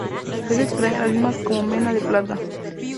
Es extraída en las minas como mena de plata.